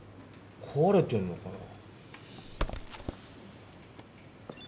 こわれてんのかな？